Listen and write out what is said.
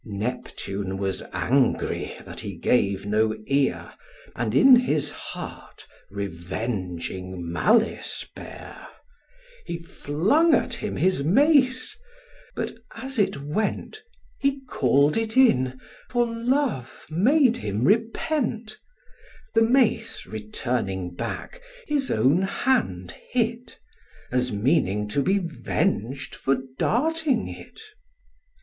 Neptune was angry that he gave no ear, And in his heart revenging malice bare: He flung at him his mace; but, as it went, He call'd it in, for love made him repent: The mace, returning back, his own hand hit, As meaning to be veng'd for darting it.